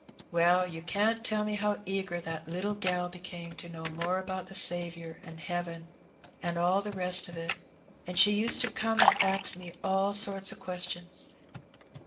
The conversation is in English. Well, yon can't tell how e^^r that httle gal became to know more about the Savionr, an* hearen, an' all the rest o' it. An' she used to come an' ax me all sorts o' questions.